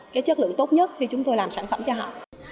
cái chất lượng tốt nhất khi chúng tôi làm sản phẩm cho họ